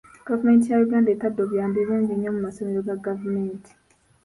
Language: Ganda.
Gavumenti ya Uganda etadde obuyambi bungi nnyo mu masomero ga gavumenti.